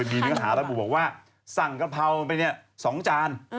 มีเนื้อหาระบุบอกว่าสั่งกะเพราไป๒จาน